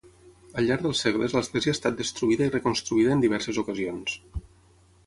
Al llarg dels segles l'església ha estat destruïda i reconstruïda en diverses ocasions.